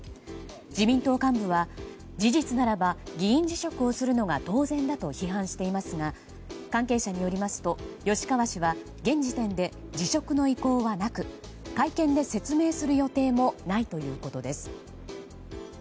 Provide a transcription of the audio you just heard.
自民党幹部は事実ならば議員辞職をするのが当然だと批判していますが関係者によりますと吉川氏は現時点で辞職の意向はなく会見で説明する予定もないということです。